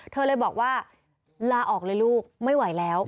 เธอเลยบอกว่าลาออกเลยลูกไม่ไหวแล้ว